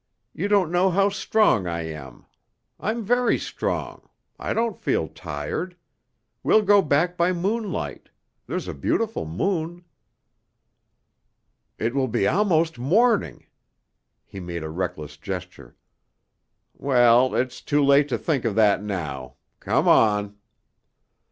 You don't know how strong I am. I'm very strong. I don't feel tired. We'll go back by moonlight. There's a beautiful moon." "It will be almost morning." He made a reckless gesture. "Well, it's too late to think of that now. Come on."